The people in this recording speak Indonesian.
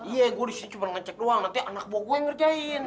iya gue disini cuma ngecek doang nanti anak buah gue yang ngerjain